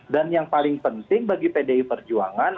dan yang paling penting bagi pdi perjuangan